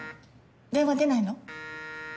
電話出ないの？